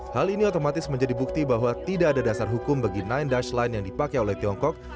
hal ini otomatis menjadi bukti bahwa tidak ada dasar hukum bagi sembilan dush line yang dipakai oleh tiongkok